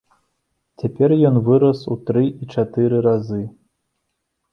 Цяпер ён вырас у тры і чатыры разы.